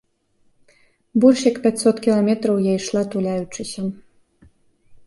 Больш як пяцьсот кіламетраў я ішла, туляючыся.